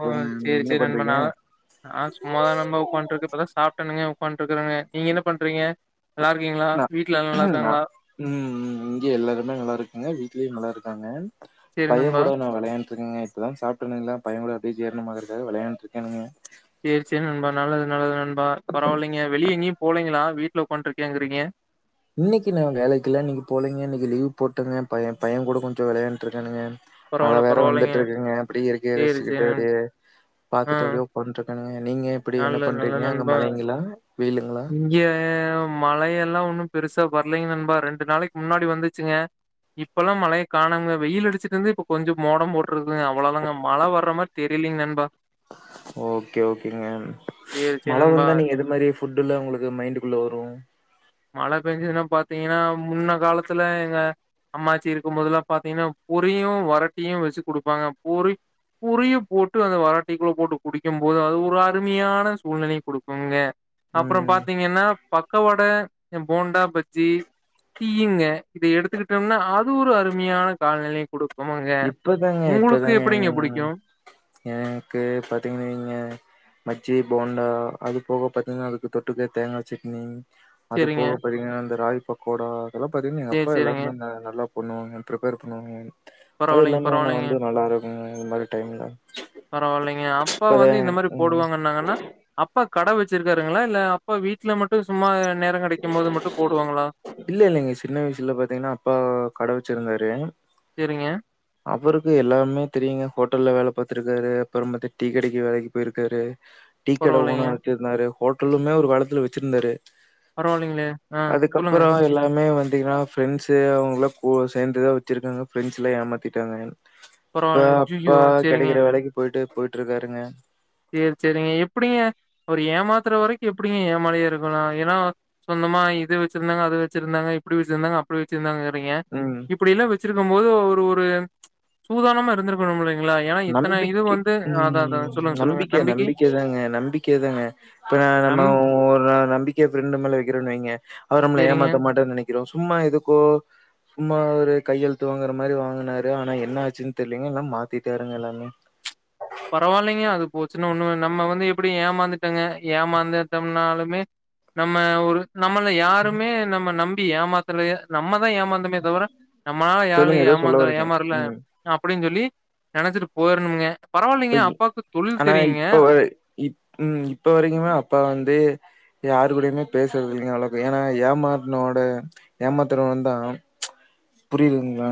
ஓ சேரி என்ன சேரி நண்பா பண்றீங்க நா நா சும்மாதா நண்பா உக்காண்ட்ருக்க இப்பதா சாப்ட்டணுங்க உக்காண்ட்டு இருக்கறங்க நீங்க என்ன பண்றீங்க நல்லா இருக்கீங்களா நா வீட்ல எல்லா நல்லா நா இருக்காங்களா ம் ம் இங்க எல்லாருமே நல்லா இருக்கங்க வீட்லயு நல்லா இருக்காங்க சேரி பையங் நண்பா கூட நா வெளையாண்ட் டுருக்கங்க இப்பதா சாப்ட்டணுங்களா பையங் கூட அப்டியே ஜீரணமாகறக்காக வெளையாண்ட்டுருக்கேனுங்க சேரி சேரி நண்பா நல்லது நல்லது நண்பா பரவால்லைங்க வெளிய எங்கயு போலீங்களா வீட்ல உக்காண்ட்ருக்கேங்கறீங்க இன்னைக்கி நா வேலைக்கெல்லா இன்னைக்கி போலிங்க இன்னைக்கி லீவ் போட்டேங்க பைய பையங் கூட கொஞ்சோ வெளையாண்ட்டுருக்கேனுங்க மழ பரவால்ல வேற பரவால்லைங்க வந்துட்ருக்குங்க அப்பிடி இயற்கைய சேரி சேரி ரசிச்சிக்கிட்டு நண்பா அப்டியே ஆ பாத்துட்டு அப்டியோ உக்காண்ட்ருக்கனுங்க நீங்க எப்பிடி என்ன நல்லது பண்றீங்க நல்லது அங்க நண்பா மழைங்களா வெயிலுங்களா இங்க மழையெல்லா ஒன்னு பெருசா வரலைங்க நண்பா ரெண்டு நாளைக்கு முன்னாடி வந்துச்சுங்க இப்பெல்லா மழைய காணங்க வெயில் அடிச்சுட்டு இருந்தது இப்ப கொஞ்சோ மோடம் போட்டு இருக்குங்க அவ்ளதாங்க மழ வர்ற மாரி தெரியலீங்க நண்பா ஓகே ஓகேங்க சேரி சேரி மழ நண்பா வந்தா நீங்க எது மாரி ஃபுட்டல்ல ஒங்களுக்கு மைண்டுக்குள்ள வரு மழ பேஞ்சதுன்னா பாத்தீங்னா முன்ன காலத்துல எங்க அம்மாச்சி இருக்கும் போதல்லா பாத்தீங்கனா பூரியும் வரட்டியு வச்சு குடுப்பாங்க பூரி பூரியு கூட்டு அந்த வரட்டிக்குள்ள போட்டு குடிக்கும் போது அது ஒரு அருமையான சூழ்நெலய குடுக்குங்க அப்றோ ம் பாத்தீங்கன்னா பக்கவட போண்டா பஜ்ஜி டீயுங்க இத எடுத்துக்கிட்டோம்னா அது ஒரு அருமையான காலநெலய குடுக்கு ஆமாங்க இப்பதாங்க உங்களுக்கு இப்பதாங்க எப்டிங்க என்- புடிக்கு எனக்கு பாத்தீங்கன்னங்க பஜ்ஜி போண்டா அது போக பாத்திங்கனா அதுக்கு தொட்டுக்க தேங்கா சட்னி அது சேரிங்க போக பாத்தீங்கனா அந்த ராகி பக்கோடா அதெல்லா பாத்தீங்கனா எங்க சேரி அப்பா சேரிங்க எல்லாமே நல்லா பண்ணுவாங்க பிரிப்பேர் பண்ணுவாங்க அது பரவாயில்லைங்க எல்லாமே நா பரவாயில்லைங்க வந்து நல்லாயிருக்கு இந்த மாரி டைம்ல பரவாயில்லைங்க அப்பா இப்பத வந்து இந்த மாரி ம் போடுவாங்கன்னாங்கன்னா அப்பா கட வச்சுருக்காருங்ளா இல்ல இப்ப வீட்ல மட்டு சும்மா நேரோ கெடைக்கும் போது மட்டு போடுவாங்ளா இல்ல இல்லங்க சின்ன வயசுல பாத்தீங்கனா அப்பா கட வச்சுருந்தாரு சேரிங்க அவருக்கு எல்லாமே தெரியுங்க ஹோட்டல்ல வேல பாத்துருக்காரு அப்பறோ பாத்தி டீ கடைக்கு வேலைக்கு போயிருக்காரு டீக்கட ஓனா பரவால்லைங்க. வச்சிருந்தாரு ஹோட்டலுமே ஒரு காலத்துல வெச்சுருந்தாரு பரவால்லைங்களே! ஆ சொல்லுங்க. அதுக்கப்பறோ எல்லாமே வந்தீங்னா ஃப்ரெண்ட்ஸு அவுங்கங்ளா சேந்து தா வெச்சிருக்காங்க ஃப்ரெண்ட்ஸ் எல்லா ஏமாத்திட்டாங்க இப்ப பரவால்ல. அப்பா ஐய்யயோ! சரிங்க. கெடக்குற வேலைக்கு போயிட்டு போயிட்டு இருக்காருங்க சேரி சேரிங்க எப்டிங்க அவர் ஏமாத்துற வரைக்கு எப்டிங்க ஏமாளியா இருக்கலா ஏன்னா சொந்தமா இது வெச்சுருந்தாங்க அது வெச்சுருந்தாங்க இப்டி வெச்சுருந்தாங்க அப்டி வெச்சுருந்தாங்க ங்க ம். இப்டியெல்லா வெச்சிருக்கும் போது ஒரு ஒரு சூதானமா இருந்திருக்க பண்ணும் முடியீங்ளா ஏன்னா இத்தன இது நம்பிக்கை வந்து அதா அதா ம். சொல்லுங்க சார் நம்பிக்கை நம்பிக்கை தாங்க நம்பிக்கை தாங்க இப்ப நம்ம நம் ஒரு நம்பிக்கைய ஃபிரண்டு மேல வக்குறேன்னு வைங்க அவர் நம்ம சரிங்க. ஏமாத்த மாட்டேன்னு நெனக்க இருக்குறோ சும்மா எதுக்கோ சும்மா ஒரு கையெழுத்து வாங்குற மாரி வாங்குனாரு ஆனா என்ன ஆச்சுன்னு தெரியலைங்க எல்லா மாத்திட்டாருங்க எல்லாமே பரவாயில்லைங்க அது போச்சுன்னா ஒன்னு நம்ம வந்து எப்டி ஏமாந்துட்டங்க ஏமாந்துட்டம்னாலுமே நம்ம ஒரு நம்மள யாருமே நம்ம நம்பி ஏமாத்தல நம்மதா ஏமாந்த தே தவிர நம்மளால சொல்லுங்க யாரையு ஏதோ சொல்ல ஏமாந்து வர்றீங்க. ஏமாறல ம். அப்டின் சொல்லி நெனச்சுட்டு போயிரும்னுங்க பரவாயில்லைங்க இப்ப அப்பாக்கு தொழில் தெரியுங்க உம் இப்ப வரைக்குமே அப்பா வந்து யாரு கூடையுமே பேசுறது இல்லைங்க அவ்ளோக்கு ஏன்னா ஏமாத்துனோட ஏமாத்துரவந்தா புரியுதுங்ளா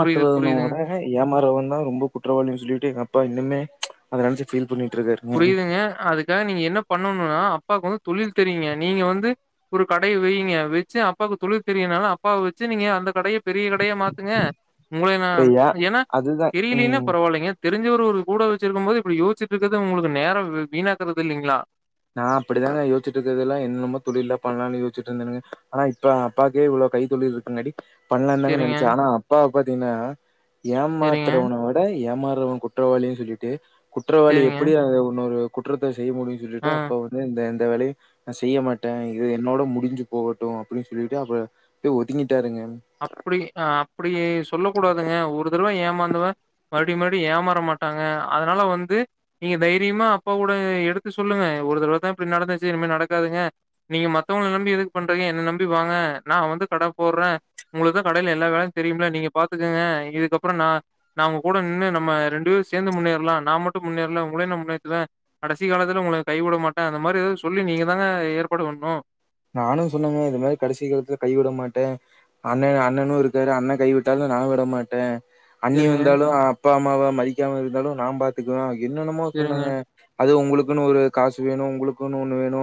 புரியுது, புரியுதுங்க. ஏமாறவ தா ரொம்ப குற்றவாளினு சொல்லிட்டு எங்கப்பா அப்பா இன்னுமே அத நெனச்சு ஃபீல் பண்ணிட்டு இருக்காரு புரியுதுங்க அதுக்காக நீங்க என்ன பண்ணனுனா அப்பாவுக்கு வந்து தொழில் தெரியுங்க நீங்க வந்து ஒரு கடய வெய்ங்க வெச்சு அப்பாவுக்கு தொழில் தெரியுனால அப்பாவ வெச்சு நீங்க அந்த கடய பெரிய கடயா மாத்துங்க உங்கள நா இப்ப ஏ ஏன்னா அதுதான் தெரியலேன்னா ம் பரவா இல்லைங்க தெரிஞ்சவர் ஒரு கூட வெச்சிருக்கும் போது இப்டி யோச்சுட்டு இருக்குறது ஒங்களுக்கு நேரோ வீணாக்குறது இல்லைங்ளா நா அப்பிடித்தாங்க யோச்சிட்டு இருக்கது எல்லா என்னமோ தொழில்ல பண்ணலான் யோச்சிட்டு இருந்தேனுங்க ஆனா இப்ப ப்பாக்கே இவ்ளோ கை தொழில் இருக்குன்னாடி பண்ணலாந்தாங்கன் சரிங்க, நெனச்சே ஆனா அப்பா பாத்தீங்கன்னா சரிங்க, ஏமாத்துரவன வி ட ஏமாறவ குற்றவாளின் சொல்லிட்டு குற்றவாளி சரிங்க. எப்பிடி அத உன்னொரு குற்றத்த செய்ய முடியு சொல்லிட்டு ஆ. அப் ப்ப வந்து இந்த எந்த வேலையு நா செய்யமாட்டே இது என்னோட முடிஞ்சி போகட்டு அப்பிடின் சொல்லிட்டு அப்ப இப்பே ஒதுங்கிட்டாருங்க அப்பிடி அ அப்பிடி சொல்ல கூடாதுங்க ஒரு தரவ ஏமாந்தவ மறுடியு மறுடியு ஏமாறமாட்டாங்க அதனால வந்து நீங்க தைரியமா அப்பா கூட எடுத்து சொல்லுங்க ஒரு தரவதா இப்டி நடந்துச்சி இனிமே நடக்காதுங்க நீங்க மத்தவங்கள நம்பி எதுக்கு பண்றீங்க என்ன நம்பி வாங்க நா வந்து கட போடறே உங்களுக்குதா கடையில எல்லா வேல தெரியும்ல்ல நீங்க பாத்துக்கங்க இதுக்கப்புறோ நா நா உங்க கூட நின்னு நம்ம ரெண்டு பேரு சேந்து முன்னேறலா நா மட்டு முன்னேறல உங்களயு நா முன்னேத்துவே கடசி காலத்துல உங்க கைவுடமாட்டே அந்த மாரி எதாது சொல்லி நீங்க தாங்க ஏற்பாடு பண்ணு நானு சொன்னங்க இந்த மாரி கடசி கலத்துல கைவிடமாட்டே அண்ணே அண்ணனு இருக்காரு அண்ண கைவிட்டாலு நா விடமாட்டே அண்ணி சரிங்க, வந்தாலு அப்பா அம்மாவா மதிக்காம இருந்தாலு நா பாத்துக்குவே என்னென்னமோ சரிங்க, சொன்னாங்க அது உங்களுக்குன்னு ஒரு காசு வேணு உங்களுக்குன் ஒன்னு வேணு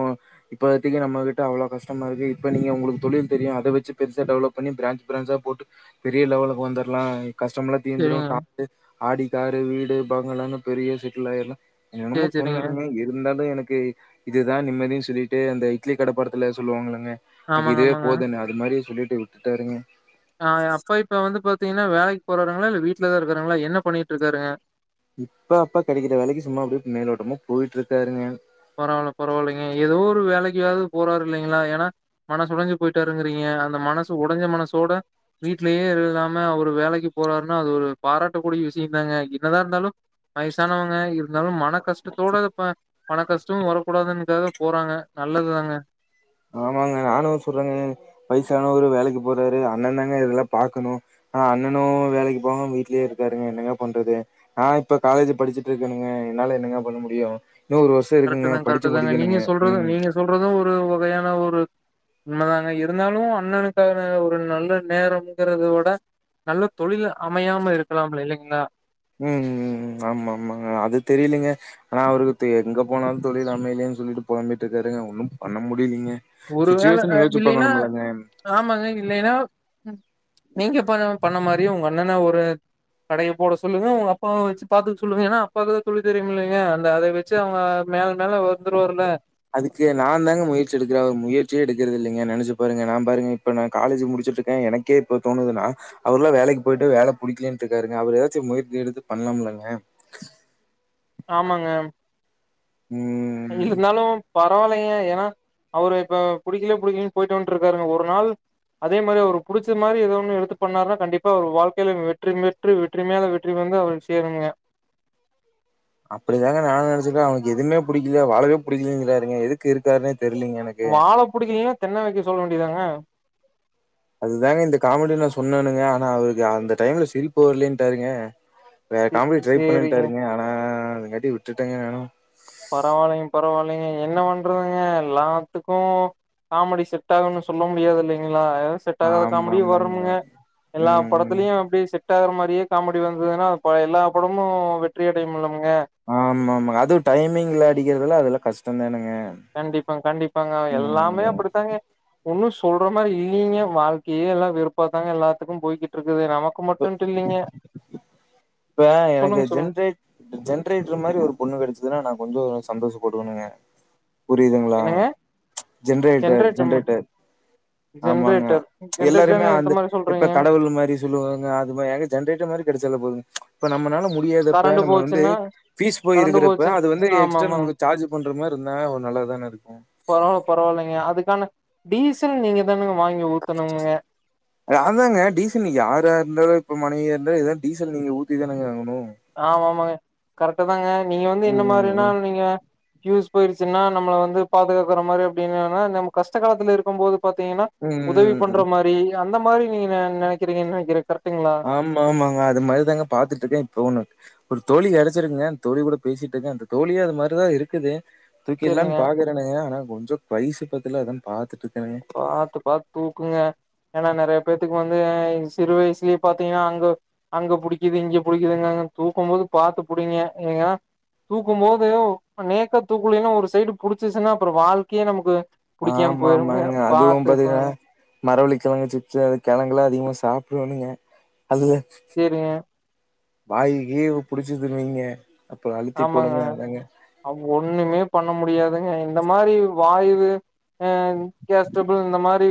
இப்பாத்திக்கு நம்மகிட் ட்ட அவ்ள கஷ்டமா இருக்கு இப்ப நீங்க உங்களுக்கு தொழில் தெரியு அத வச்சி பெருசா டெவலப் பண்ணி பிராஞ் பிராஞ்சா போட்டு பெரிய லெவலுக்கு வந்தர்லா கஷ்டமல்லா தீந்திரு சரிங்க. காரு ஆடிக்காரு வீடு பங்களான்னு பெரிய செட்டில் ஆயிரலா எனமோ சரி, சரிங்க. சொன்னணுமே இருந்தாலு எனக்கு இதுதா நிம்மதினு சொல்லிட்டு அந்த இட்லி கடப்பாட த்துல சொல்லுவாங்கல்லங்க எனக்கு ஆமாங்க, இதுவே ஆமாங்க. போதுன்னு அது மாரி சொல்லிட்டு விட்டுடாருங்க ஆ அப்பா இப்ப வந்து பாத்தீங்கன்னா வேலைக்கு போறாங்களா இல்ல வீட்லதா இருக்காருங்களா என்ன பண்ணிட்டு இருக்காருங்க இப்ப அப்பா கெடைக்கிற வேலைக்கு சும்மா அப்பிடியே மேலோட்டமா போயிட்டு இருக்காருங்க பரவாயில்ல பரவாயில்லைங்க எதோ ஒரு வேலைக்குயாவது போறாரு இல்லைங்களா ஏனா மனசு ஒடஞ்சி போயிட்டாருங்கிறீங்க அந்த மனசு ஒடஞ்ச மனசோட வீட்லயே இல்லாம அவரு வேலைக்கு போறாருன்னா அது ஒரு பாராட்ட கூடிய விசிந்தாங்க என்னதா இருந்தாலு வயசானவங்க இருந்தாலு மன கஷ்டத்தோடப்ப பண கஷ்டமு வரக்கூடாதுன்னுக்காக போறாங்க நல்லதுதாங்க ஆமாங்க நானு சொல்றங்க பைசானு ஒரு வேலைக்கு போறாரு அண்ண தாங்க இதெல்லா பாக்கணு ஆ அண்ணனு வேலைக்கு போவாம வீட்லியே இருக்காருங்க என்னங்க பண்றது ஆ இப்ப காலேஜ் படிச்சிட்டு இருக்கங்க என்னால என்னங்க பண்ண முடியு இன்னொரு வருஷ் கரெக்ட்தா கரெக்ட்தாங்க நீங்க சொல்றது நீங்க சொல்றது ஒரு வகையான ஒரு உண்மதாங்க இருந்தாலு அண்ணனுக்கான ஒரு நல்ல நேரம்ங்கறதவுட நல்ல தொழில் அமையாம இருக்கலாம்ல இல்லைங்கிளா ம் ம் ஆமா ஆமாங்க அது தெரியலைங்க ஆனா அவருக்குதே எங்க போனாலு தொழில் அமையலேன் சொல்லிட்டு பொழம்பிட்டுருக்காருங்க ஒன்னும் பண்ண முடிலீங்க ஒருவேள அ இல்லின்னா ஆமாங்க இல்லைன்னா நீங்க ப பண்ண மாரியு உங்க அண்ணன்ன ஒரு கடைய போட சொல்லுங்க உங்க அப்பாவ வச்சி பாத்துக்க சொல்லுங்க ஏன்னா அப்பாததா தொழில் தெரியுமில்லைங்க அந்த அத வச் ச்சி அவங்க மேல மேல வந்துருவாருல்ல அதுக்கு நா தாங்க முயற்சி எடுக்கற அவுரு முயற்சியே எடுக்கறதில்லைங்க நெனச்சி பாருங்க நா பாருங்க இப்ப நா காலேஜ் முடிச்சிட்டு இருக்கே எனக்கே இப்ப தோணுதுன்னா அவுருல்லா வேலைக்கு போயிட்டு வேல புடிக்கலன்ட்டுருக்காருங்க அவுரு எதாச்சு முயற்சி எடுத்து பண்ணலாம் இல்லங்க ஆமாங்க ம் இருந்தாலு பரவால்லைங்க ஏனா அவரு இப்ப புடிக்கல புடிக்லன் போயிட்டு வன்ட்டு இருக்காருங்க ஒரு நாள் அதே மாரி அவருக்கு புடிச்ச மாரி ஏதோ ஒன்னு எடுத்து பண்ணாருன்னா கண்டிப்பா அவர் வாழ்க்கைல வெற்றி மேல் ற்றி வெற்றி மேல வெற்றி வந்து அவர சேருங்க அப்டிதாங்க நானு நெனச்சிக்க அவனுக்கு எதுவ்மே புடிக்ல வாழவே புடிக்லங்குறாருங்க எதுக்கு இருக்கார்னே தெரிய்லீங்க எனக் வாழ புடிக்கிலீனா தென்ன வெக்க சொல்ல வேண்டியதாங்க அதுதாங்க இந்த காமெடி நா சொன்னனுங்க ஆனா அவருக்கு அந்த டைம்ல சிரிப்பு வர்லேன்ட்டாருங்க வேற காமெடி ட்ரை சேரிங்க பண்ணுன்ட்டாருங்க ஆனா அதுக்காட்டி விட்டுட்டங்க நானு பரவாயில்லைங்க பரவாயில்லைங்க என்ன பண்றதுங்க எல்லாத்துக்கு காமடி செட் ஆகும்னு சொல்ல முடியாது இல்லைங்ளா எதா செட் ஆகாத ஆமா காமடியு ஆமாங்க வருமுங்க எல்லா ம் படத்துலயு அப்டே செட் டாகுற மாரியே காமெடி வந்ததுன்னு ப எல்லா படமு வெற்றிய அடையுமுல்லங்க ஆமா ஆமா அதுவு டைமிங்ல அடிக்கிறதுலா அதுல்லா கஸ்ட்டந்தானுங்க கண்டிப்பா கண்டிப்பாங்க எல்லாமே அப்டிதாங்க ஒன்னு சொல்ற மாரி இல்லீங்க வாழ்க்கையே எல்லா வெறுப்பா தாங்க எல்லாத்துக்கும் போய்கிட் ட்ருக்குது நமக்கு மட்டுன்ட்டு இல்லிங்க இப்ப எனக்கு ஜென்ரேட் ஜென்ரேட்டர் மாரி ஒரு பொண்ணு கெடச்சதுன்னா நா கொஞ்சொ சந்தோஷ படுவனுங்க புரியுதுங்ளா என்னங்க ஜென்ரேட்டர் ஜென்ரேட்டும் ஜென்ரேட்டர் ஆமாங்க ஜென்ரேட்டர் எல்லாருமே ஜென்ரேட்டர்னா எந்த அந்த மாரி இப்ப சொல்றீங்க கடவுள் மாரி சொல்லுவாங்க அது மா ஏங்க ஜென்ரேட்டர் மாரி கெடச்சாலே போதுங்க இப்ப நம்மனால மு டியாதப்ப கரண்டு நம்ம வந்து போச்சுன்னா ஃபீஸ் போய் கரண்டு இருக்குறப்ப போச்சு அது வந்து ஆமா ஆமா எக்ஸ்ட்டன் சார்ஜ் பண்ற மாரி இருந்தா ஒ நல்லா தான இருக்கு பரவால்ல பரவால்லைங்க அதுக்கான டீசல் நீங்க தானுங்க வாங்கி ஊத்தனுங்கங்க அததாங்க டீசல் நீங்க யாரா இருந்தாலு இப்ப மனைவியா இருந்தாலு இதீ டீசல் நீங்க ஊத்திதானுங்க ஆகணு ஆமாமாங்க கரெக்ட்டு தாங்க நீங்க வந்து என்ன ம் மாரினா ம் நீங்க ஃப்யூஸ் போயிடுச்சுன்னா நம்மள வந்து பாதுகாக்குற மாரி அப்டின்னனா நம்ம கஷ்ட காலத்துல இருக்கம் போது பாத்தீங்கன்னா ம் ம் உதவி ம் பண்ற ம் மாரி அந்த மாரி நீங்க நெ நெனக்கிறீங்கன் நெனக்கிற கரெக்ட்டுங்ளா ஆம்மா ஆமாங்க அது மாரிதாங்க பாத்துட்ருக்கே இப்ப ஒன்னு ஒரு தோழி கெடச்சிருக்குங்க அந்த தோழி கூட பேசிட்ருக்க அந்த தோழியு அது மாரிதா இருக்குது தூக்கில்லான் சேரிங்க பாக்குறனுங்க ஆனா கொஞ்சொ வைசு பத்தல அதான் பாத்துட்ருக்கனுங்க பாத்து பாத்து தூக்குங்க ஏன்னா நறைய பேத்துக்கு வந்து சிறு வயசுலயே பாத்தீங்னா அங்க அங்க புடிக்கிது இங்க புடிக்கிதுங்காங்க தூக்கம் போது பாத்து புடிங்க ஏங்க தூக்கும் போது நேக்க தூக்குலேன்னா ஒரு சைடு புடிச்சிச்சுன்னா அப்றொ வாழ்க்கையே நமக்கு புடிக்காம் ஆமா போய்ருங்க ஆமாங்க அதுவும் பாத்தீங்கன்னா மரவள்ளி கெழங்கு சிப்ஸு அது கெழங்குலா அதிகமா சாப்டணுங்க அது சேரிங்க வாய்வு கீவு புடிச்சிதுனு வைங்க அப்றொ அழுத்தி போடுங்க அதாங்க அப்பொ ஒண்ணுமே பண்ண முடியாதுங்க இந்த மாரி வாய்வு ஆ கேஸ்டபுள் இந்த மாரி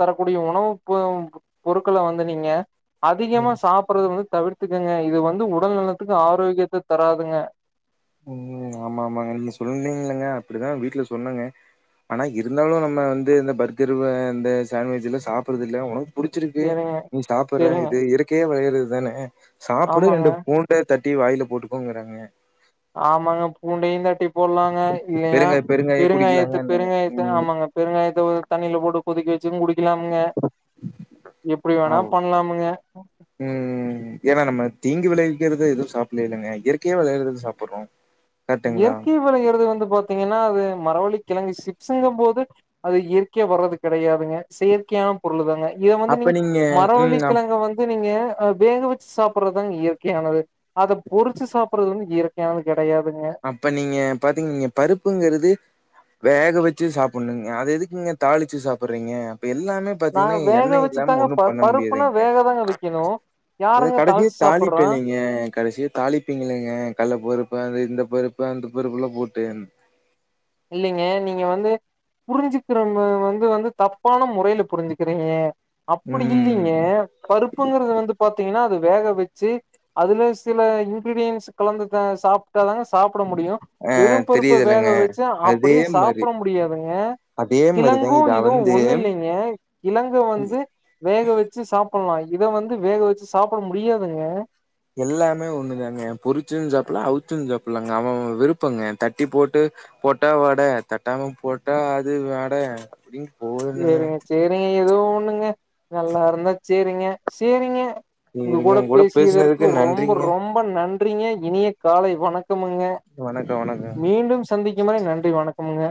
தரக்கூடிய உணவு ப பொருட்கள வந்து நீங்க அதிகமா சாப்புர்றது வந்து தவிர்த்துக்கங்க இது வந்து உடல் நலத்துக்கு ஆரோக்கியத்த தராதுங்க ம் ஆமா ஆமாங்க நீங்க சொன்னீங்கல்லங்க அப்டிதா வீட்ல சொன்னங்க ஆனா இருந்தாலு நம்ம வந்து இந்த பர்கரு வா இந்த சாண்ட்விச்லா சாப்புர்றது இல்ல உணவு புடிச்சிருக்கு சேரிங்க நீ சாப்பர்ற சேரிங்க இது இயற்கையே வரயறது தான சாப்புடு ஆமாங்க ரெண்டு பூண் ட தட்டி வாயில போட்டுக்கோங்குறாங்க ஆமாங்க பூண்டையு தட்டி போல்லாங்க இல்லைன்னா பெருங்காய பெருங்காய பெருங்காயத்து குடிக்கலாங்கன்னாங்க. பெருங்காயத்த ம் ஆமாங்க பெருங்காயத்த ஓ தண்ணில போட்டு கொதிக்க வச் சும் குடிக்கலாம் ங்க எப்டி வேணா ஆவ் பண்லாமுங்க ம் ம் ஏனா நம்ம தீங்கு விளைவிக்கிறது எதுவு சாப்பில்லிலங்க இயற்கையா வெளயறத தா சாப்புட்றோ இயற்கை விளையிறது வந்து பாத்தீங்கன்னா அது மரவள்ளி கெழங்கு சிப்ஸ்சுங்கம்போது அது இயற்கையா வர்றது கெடையாதுங்க செயற்கையா பொருளு தாங்க இத வந்து அப்ப நீங் நீங்க மரவள்ளி ம். அப் கெழங்க வந் இத நீங்க ஆ வேக வச்சு சாப்பர்றது தாங்க இயற்கையானது அத பொறிச்சு சாப்பர்றது வந்து இயற்கையானது கெடையாதுங்க அப்ப நீங்க பாத்தீங் நீங்க பருப்புங்குறது வேக வச்சு சாப்புட்ணுங்க அது எதுக்குங்க தாளிச்சு சாப்புர்றீங்க அப்ப எல்லாமே நாங்க பாத்தீங்னா வேக எண்ண வச்சு இல்லாம தாங்க ஒன்னு ப பண்ண பருப்புனா முடியாதுங்க வேக தாங்க வைக்கணு அது யாருங்க கடைசியா தாளிச்சு தாலிப்பு சாப்பட்றா இல்லைங்க கடைசியா தாலிப் ப்பிங்களேங்க கல்ல பருப்பு அது இந்த பருப்பு அந்த பருப்புலா போட்டு இல்லைங்க நீங்க வந்து புரிஞ்சுக்கிறவங்க வந்து வந்து தப்பான முறைல புரிஞ்சிக்கிறீங்க அப்டி இல்லை ம். ங்க பருப்புங்குறது வந்து பாத்தீங்னா அது வேக வச்சு அதுல சில இன்கிரீடியன்ஸ் கலந்த தா சாப் டா தாங்க சாப்ட முடியு அ வெறு பருப்ப வேக தெரியுதுல்லங்க. வச் அதே அப்டியே மாரி சாப்ட முடியாதுங்க அதே மாரி தாங்க கிழங்கு இது இதுவு அவந்து. ஒன்னு இல்லைங்க ங்க கிழங்கு வந்து வேக வச்சு சாப்புல்லா இத வந்து வேக வச்சு சாப்ட முடியாதுங்க எல்லாமே ஒன்னு தாங்க பொறிச்சது சாப்புல்லா அவிச்சது சாப்புல்லாங்க அவ அவே விருப்பங்க தட்டி போட்டு போட்டா வட தட்டாம போட்டா அது வட அப்டின் சேரிங்க சேரிங்க எதோ ஒன்னுங்க நல்லாருந்தா சேரிங்க சேரிங்க உங்க சரிங்க. கூட பேசியதற்கு பேசுனதுக்கு ரொம்ப நன்றிங்க. ரொம் ம்ப நன்றிங்க இனிய காலை வணக்கமுங்க வணக்கம், வணக்கங்க. மீண்டும் ச சந்திக்கும் வரை நன்றி வணக்கமுங்க